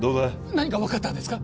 何か分かったんですか？